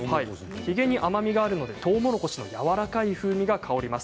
ヒゲに甘みがあるのでとうもろこしのやわらかい風味が香ります。